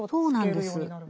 そうなんです。